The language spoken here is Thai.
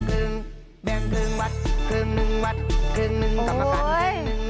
วัดครึ่งแบกครึ่งวัดครึ่งหนึ่งวัดครึ่งหนึ่งกลับมากันครึ่งหนึ่ง